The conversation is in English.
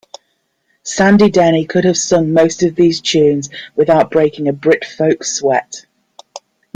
Sandy Denny could have sung most of these tunes without breaking a Brit-folk sweat.